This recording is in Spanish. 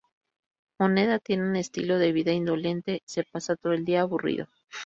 Moneda tiene un estilo de vida indolente, se pasa todo el día aburrido.